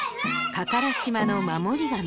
加唐島の守り神